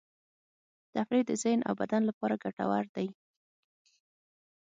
تفریح د ذهن او بدن لپاره ګټور دی.